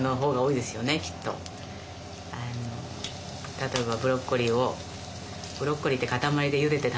例えばブロッコリーをブロッコリーって固まりでゆでて食べますよね。